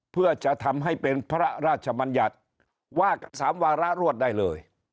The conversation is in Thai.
เพื่อจะทำให้เป็นพระราชมัญญัติว่า๓วาระรวดได้เลย